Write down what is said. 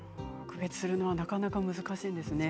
区別するのはなかなか難しいんですね。